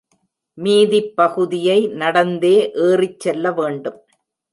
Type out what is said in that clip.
மீதிப்பகுதியை நடந்தே ஏறிச் செல்ல வேண்டும்.